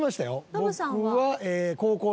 ノブさんは？